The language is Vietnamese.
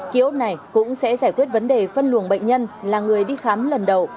ký ốt này cũng sẽ giải quyết vấn đề phân luồng bệnh nhân là người đi khám lần đầu